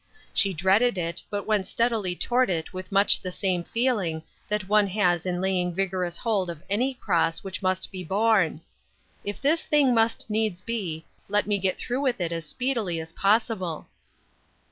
She dreaded it, but went steadily toward it with much the same feeling that one has in laying vigorous hold of any cross which must be borne :" If this thing must needs be, let me get through with it as speedily as possible."